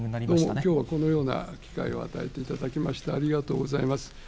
きょうはこのような機会を与えていただきまして、ありがとうございます。